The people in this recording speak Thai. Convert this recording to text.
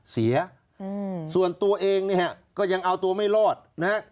เสียส่วนตัวเองเนี่ยฮะก็ยังเอาตัวไม่รอดนะฮะ